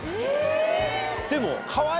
でも。